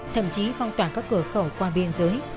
thậm chí phong tỏa các cửa khẩu qua biên giới